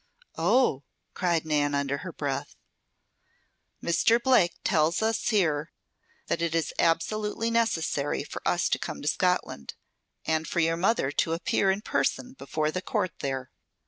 "Oh!" cried Nan, under her breath. "Mr. Blake tells us here that it is absolutely necessary for us to come to Scotland, and for your mother to appear in person before the court there.